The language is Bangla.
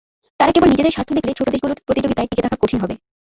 তারা কেবল নিজেদের স্বার্থ দেখলে ছোট দেশগুলোর প্রতিযোগিতায় টিকে থাকা কঠিন হবে।